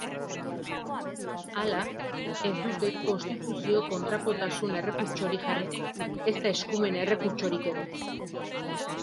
Hala, ez dute konstituzio-kontrakotasun errekurtsorik jarriko, ezta eskumen errekurtsorik ere.